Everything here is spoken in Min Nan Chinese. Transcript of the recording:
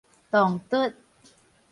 撞突